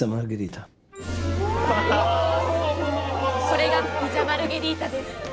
それがピザ・マルゲリータです。